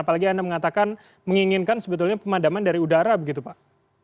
apalagi anda mengatakan menginginkan sebetulnya pemadaman dari udara begitu pak